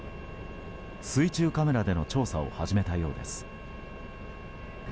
水中カメラでの調査を始めたようです。